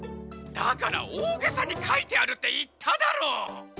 だからおおげさにかいてあるっていっただろう！